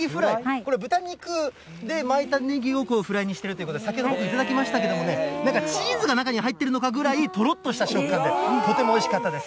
これ、豚肉で巻いたねぎをフライにしてるということで、先ほど頂きましたけれどもね、なんかチーズが中に入っているのかぐらい、とろっとした食感で、とてもおいしかったです。